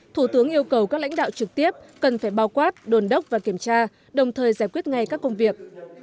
thủ tướng yêu cầu các lãnh đạo trực tiếp cần phải bao quát đồn đốc và kiểm tra đồng thời giải quyết ngay các công việc